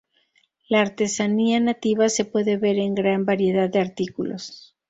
La artesanía nativa se puede ver en gran variedad de artículos.